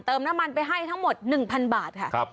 น้ำมันไปให้ทั้งหมด๑๐๐๐บาทค่ะ